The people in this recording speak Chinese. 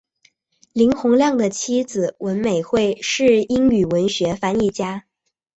林洪亮的妻子文美惠是英语文学翻译家。